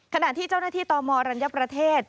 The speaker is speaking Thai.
ขณะที่เจ้าหน้าที่ตมรัญญประเทศ